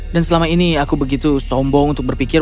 dan selama ini aku begitu sombong untuk berpikir